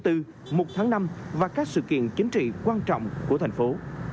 một tháng năm và các sự kiện chính trị quan trọng của thành phố